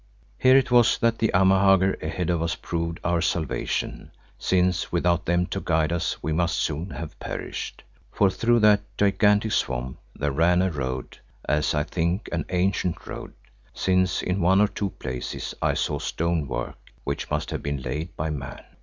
Here it was that the Amahagger ahead of us proved our salvation, since without them to guide us we must soon have perished. For through that gigantic swamp there ran a road, as I think an ancient road, since in one or two places I saw stone work which must have been laid by man.